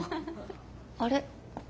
あれ？